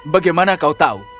bagaimana kau tahu